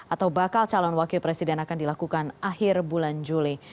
atau bakal calon wakil presiden akan dilakukan akhir bulan juli